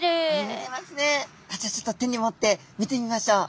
ちょっと手に持って見てみましょう。